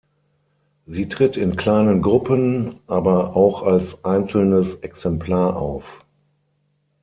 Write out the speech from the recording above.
Sie tritt in kleinen Gruppen, aber auch als einzelnes Exemplar auf.